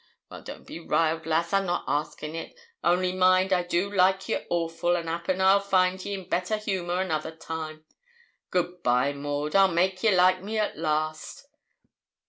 Well, don't be riled, lass, I'm not askin' it; only mind, I do like you awful, and 'appen I'll find ye in better humour another time. Good bye, Maud; I'll make ye like me at last.'